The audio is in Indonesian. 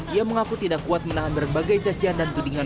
ia mengaku tidak kuat menahan berbagai cacian dan tudingan